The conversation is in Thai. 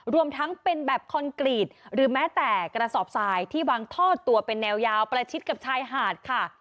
รวมทั้งเป็นแบบคอนกรีตหรือแม้แต่กระสอบทรายที่วางท่อตัวเป็นแนวยาวประชิดกับชายหาดค่ะ